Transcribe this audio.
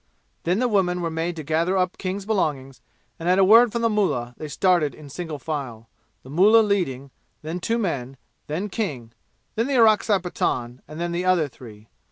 Then the women were made to gather up King's belongings, and at a word from the mullah they started in single file the mullah leading, then two men, then King, then the Orakzai Pathan, and then the other three.